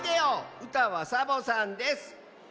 うたはサボさんです。